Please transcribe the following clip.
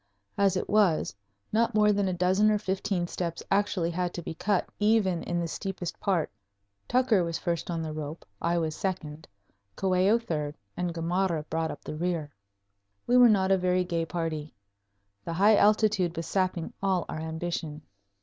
As it was, not more than a dozen or fifteen steps actually had to be cut even in the steepest part. Tucker was first on the rope, I was second, Coello third, and Gamarra brought up the rear. We were not a very gay party. The high altitude was sapping all our ambition.